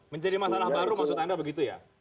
menjadi masalah baru maksud anda begitu ya